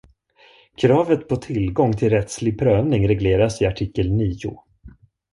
Kravet på tillgång till rättslig prövning regleras i artikel nio.